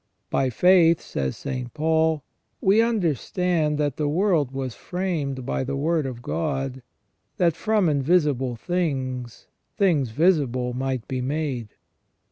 " By faith," says St. Paul, " we understand that the world was framed by the word of God ; that from invisible things, things visible might be made."